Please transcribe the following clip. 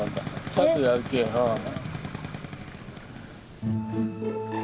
ちゃんとやるけぇうん。